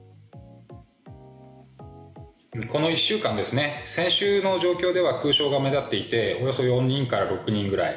この１週間先週の状況では空床が目立っていておよそ４人から６人ぐらい。